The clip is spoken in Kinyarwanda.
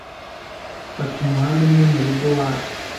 Fata umuhanda umwe murugo waje